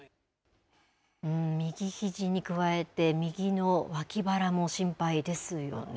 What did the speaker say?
右ひじに加えて、右の脇腹も心配ですよね。